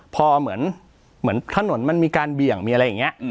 พอเหมือนถนนมันมีการเบี่ยงมีอะไรอย่างนี้